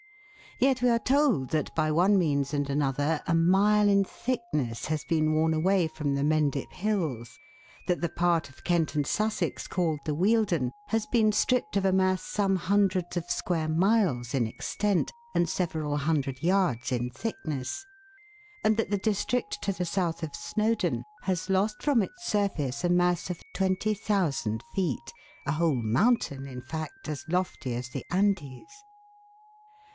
Yet we are told that, by one means and another, a mile in thickness has been worn away from the Mendip Hills ; that the part of Kent and Sussex called the Wealden has been stripped of a mass some hundreds of square miles in extent, and several hundred yards in thick ness ; and that the district to the south of Snowdon has lost from its surface a mass of 20,000 feet, a whole moun tain, in fact, as lofty as the Andes.